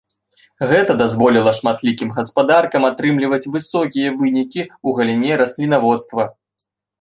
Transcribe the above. Гэта дазволіла шматлікім гаспадаркам атрымліваць высокія вынікі ў галіне раслінаводства.